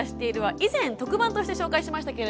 以前特番として紹介しましたね。